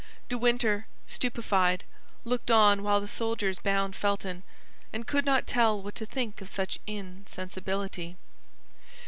De Winter, stupefied, looked on while the soldiers bound Felton, and could not tell what to think of such insensibility.